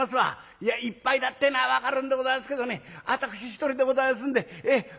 いやいっぱいだってえのは分かるんでござんすけどね私一人でございますんでええ。